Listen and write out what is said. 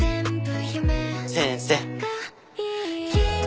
先生。